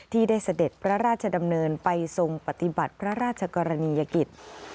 ที่ได้เสด็จพระราชดำเนินไปทรงปฏิบัติพระราชกรณียกิจ